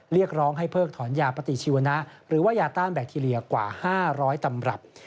เรียกร้องให้เพิกถอนยาปฏิชีวนะหรือว่ายาต้านแบคทีเรียกว่า๕๐๐ตำรับ